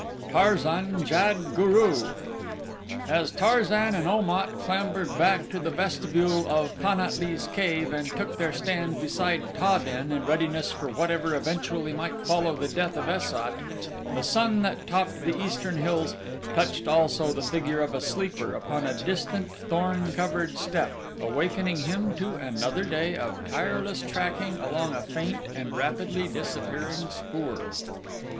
4 Tarzan jad guru As Tarzan and Om at clambered back to the vestibule of Pan at lee's cave and took their stand beside Ta den in readiness for whatever eventuality might follow the death of Es sat, the sun that topped the eastern hills touched also the figure of a sleeper upon a distant, thorn covered steppe awakening him to another day of tireless tracking along a faint and rapidly disappearing spoor.